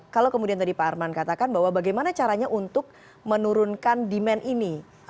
kalau kemudian tadi pak arman katakan bahwa bagaimana caranya untuk menurunkan demand ini